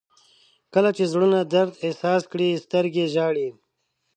• کله چې زړونه درد احساس کړي، سترګې ژاړي.